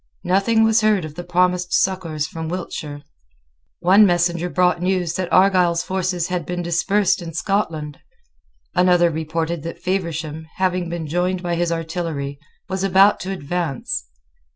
Nothing was heard of the promised succours from Wiltshire. One messenger brought news that Argyle's forces had been dispersed in Scotland. Another reported that Feversham, having been joined by his artillery, was about to advance.